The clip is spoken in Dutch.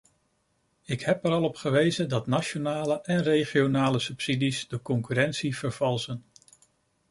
Ik heb er al op gewezen dat nationale en regionale subsidies de concurrentie vervalsen.